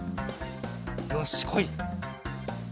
よしこい！